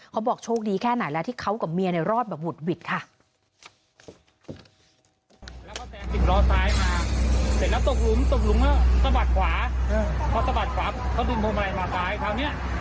เขาบอกโชคดีแค่ไหนแล้วที่เขากับเมียรอดวุฒิแล้ว